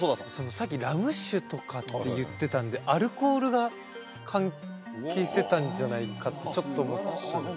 さっきラム酒とかって言ってたんでアルコールが関係してたんじゃないかってちょっと思ったんです